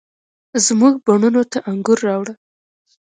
زموږ بڼوڼو ته انګور، راوړه،